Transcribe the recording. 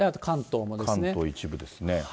関東一部ですね。